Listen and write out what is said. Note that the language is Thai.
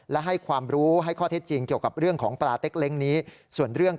ไม่เป็นปลาแ่งต่างกันเป็นปลาที่ปากมันจะได้มีหลัก